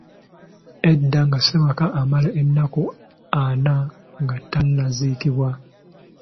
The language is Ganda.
Edda nga ssemaka amala ennaku ana nga tannaziikibwa